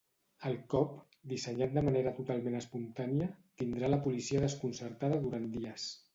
El cop, dissenyat de manera totalment espontània, tindrà a la policia desconcertada durant dies.